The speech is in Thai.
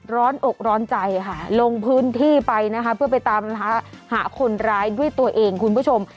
ร้อนอกร้อนใจค่ะลงพื้นที่ไปนะคะเพื่อไปตามหาคนร้ายด้วยตัวเองคุณผู้ชม